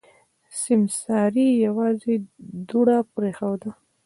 سيمسارې يوازې دوړه پرېښوده.